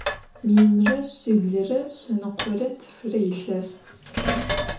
Minre şsiblre şsenıkhore tfıre yilhes.